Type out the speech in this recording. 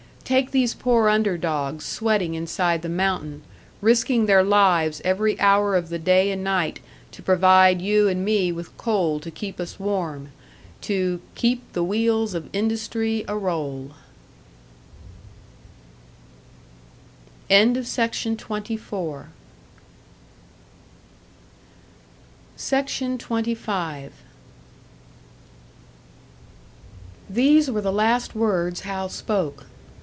Take these poor under dogs sweating inside the mountain, risking their lives every hour of the day and night to provide you and me with coal to keep us warm to 'keep the wheels of industry a roll' " SECTION 25. These were the last words Hal spoke.